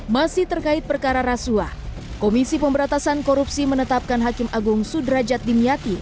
masih terkait perkara rasuah komisi pemberatasan korupsi menetapkan hakim agung sudrajat dimyati